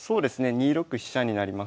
２六飛車になります。